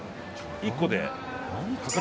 １個で。